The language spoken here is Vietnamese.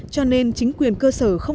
cho nên chính quyền cơ sở